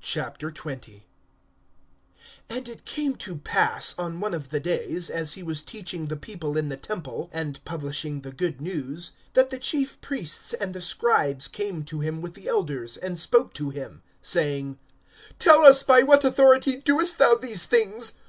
XX. AND it came to pass, on one of the days, as he was teaching the people in the temple, and publishing the good news, that the chief priests and the scribes came to him with the elders, (2)and spoke to him, saying: Tell us, by what authority doest thou these things?